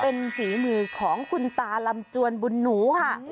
เป็นฝีมือของคุณตาลำจวนบุญหนูค่ะ